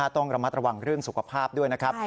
ต้องระมัดระวังเรื่องสุขภาพด้วยนะครับ